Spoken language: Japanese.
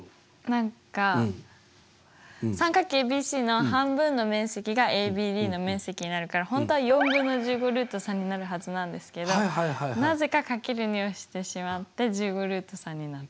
何か三角形ＡＢＣの面積の半分がＡＢＤの面積になるから本当は４分の１５ルート３になるはずなんですけどなぜか×２をしてしまって１５ルート３になってます。